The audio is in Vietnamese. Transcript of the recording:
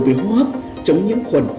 về hóa hấp chống những khuẩn